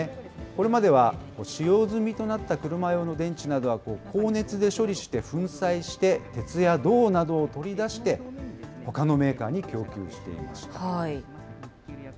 これまでは、使用済みとなった車用の電池などは、高熱で処理して粉砕して、鉄や銅などを取り出して、ほかのメーカーに供給していました。